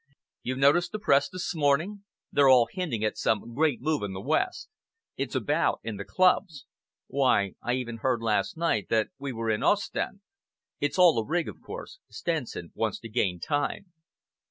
You noticed the Press this morning? They're all hinting at some great move in the West. It's about in the clubs. Why, I even heard last night that we were in Ostend. It's all a rig, of course. Stenson wants to gain time."